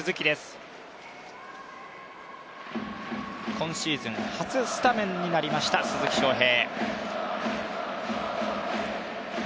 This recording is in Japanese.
今シーズン、初スタメンになりました鈴木将平。